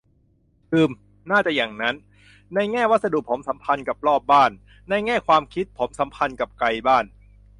อืม น่าจะอย่างนั้น ในแง่วัสดุผมสัมพันธ์กับรอบบ้าน ในแง่ความคิดผมสัมพันธ์กับไกลบ้าน